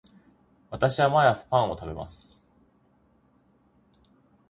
私は毎朝パンを食べます